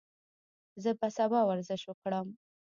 زه به سبا ورزش وکړم.